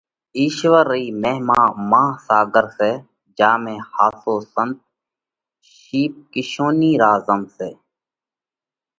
اِيشوَر رئِي مهما ماها ساڳر سئہ۔ جيا ۾ ۿاسو سنت سِيپ (ڪِيشونئِي) را زم سئہ۔